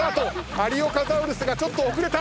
有岡ザウルスがちょっと遅れた。